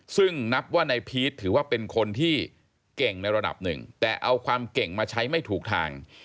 ซึ่งนับว่านายพีชถือว่าเป็นคนที่เก่งในระดับหนึ่งแต่เอาความเก่งมาใช้ไม่ถูกทาง